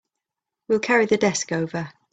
We'll carry the desk over.